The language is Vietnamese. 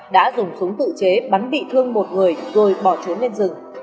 đã dùng súng tự chế bắn bị thương một người rồi bỏ trốn lên rừng